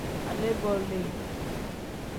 Alee-bo le.